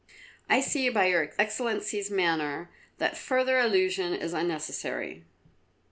"I see by Your Excellency's manner that further allusion is unnecessary."